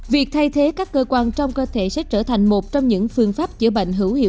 việc thay thế các cơ quan trong cơ thể sẽ trở thành một trong những cơ quan đối với người